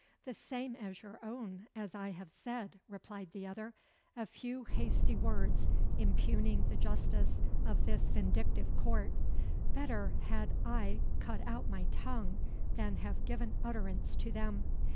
"The same as your own, as I have said," replied the other; "a few hasty words impugning the justice of this vindictive court. Better had I have cut out my tongue than have given utterance to them.